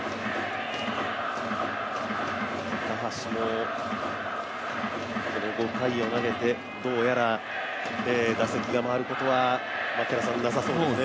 高橋もこの５回を投げてどうやら打席が回ることはなさそうですね。